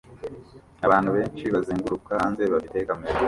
Abantu benshi bazenguruka hanze bafite camera